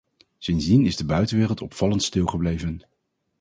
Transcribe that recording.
Sindsdien is de buitenwereld opvallend stil gebleven.